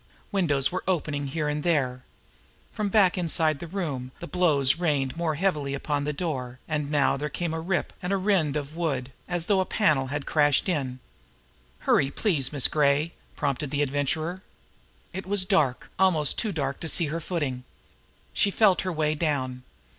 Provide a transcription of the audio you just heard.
Windows were opening here and there. From back inside the room, the blows rained more heavily upon the door and now there came the rip and rend of wood, as though a panel had crashed in. "Hurry, please, Miss Gray!" prompted the Adventurer. It was dark, almost too dark to see her footing. She felt her way down.